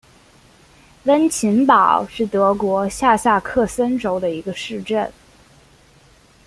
温岑堡是德国下萨克森州的一个市镇。